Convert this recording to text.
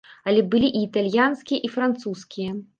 Але былі і італьянскія, і французскія.